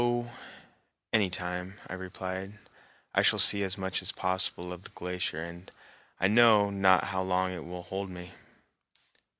"Oh, any time," I replied. "I shall see as much as possible of the glacier, and I know not how long it will hold me."